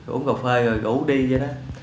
uống cà phê rồi ngủ đi vậy đó